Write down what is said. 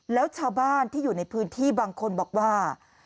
แล้วชาวบ้านที่อยู่ในพื้นที่บางคนบอกว่า